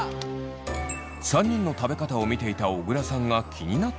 ３人の食べ方を見ていた小倉さんが気になったのは。